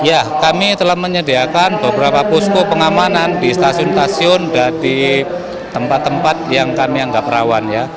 ya kami telah menyediakan beberapa posko pengamanan di stasiun stasiun dan di tempat tempat yang kami anggap rawan ya